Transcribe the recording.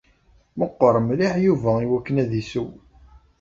Meqqeṛ mliḥ Yuba i wakken ad isew.